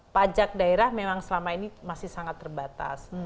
pajak daerah memang selama ini masih sangat terbatas